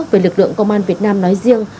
về lực lượng công an việt nam nói riêng